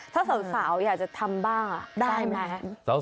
ถ้าสาวอยากจะทำบ้าได้ไหม